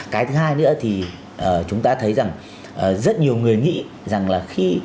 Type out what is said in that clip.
cái thứ hai nữa thì chúng ta thấy rằng rất nhiều người nghĩ